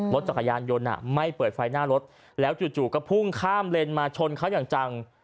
รถจักรยานยนต์ไม่เปิดไฟหน้ารถแล้วจู่ก็พุ่งข้ามเลนมาชนเขาอย่างจัง